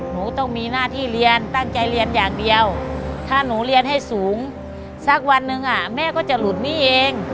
หนูต้องมีหน้าที่เรียนตั้งใจเรียนอย่างเดียวถ้าหนูเรียนให้สูงสักวันหนึ่งแม่ก็จะหลุดหนี้เอง